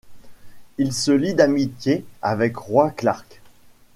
Il se lie d'amitié avec Roy Clark.